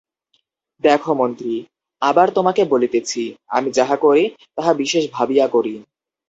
দেখো মন্ত্রী, আবার তোমাকে বলিতেছি, আমি যাহা করি তাহা বিশেষ ভাবিয়া করি।